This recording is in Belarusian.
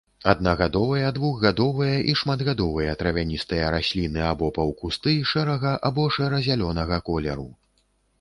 Аднагадовыя, двухгадовыя і шматгадовыя травяністыя расліны або паўкусты, шэрага або шэра-зялёнага колеру.